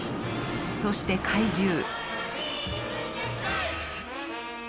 そして怪獣。